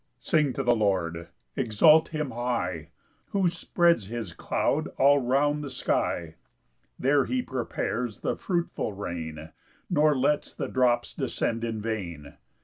PAUSE. 5 Sing to the Lord, exalt him high, Who spreads his cloud all round the sky, There he prepares the fruitful rain, Nor lets the drops descend in vain.